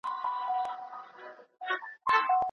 رمضان د عادتونو پرېښودو فرصت دی.